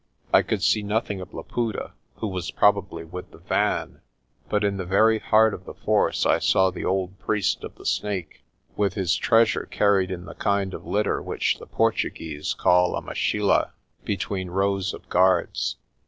I could see nothing of Laputa, who was probably with the van, but in the very heart of the force I saw the old priest of the Snake, with his treasure carried in the kind of litter which the Portuguese call a machila^ between rows of guards.